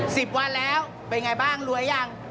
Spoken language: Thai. สิบวันแล้วไปยังไงบ้างรวยอย่าง